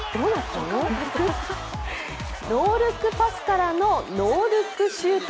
ノールックパスからのノールックシュート。